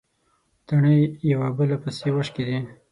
تڼۍ يوه په بلې پسې وشکېدې.